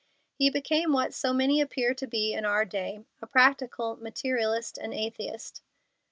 He became what so many appear to be in our day, a practical materialist and atheist.